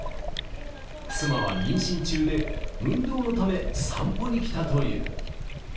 妻は妊娠中で、運動のため、散歩に来たという。